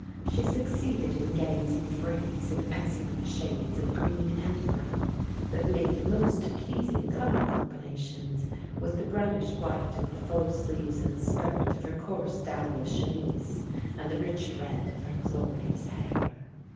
She succeeded in getting some frieze in excellent shades of green and brown, that made most pleasing colour combinations with the brownish white of the full sleeves and skirt of her coarse dowlas chemise, and the rich red of her glorious hair.